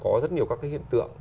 có rất nhiều các cái hiện tượng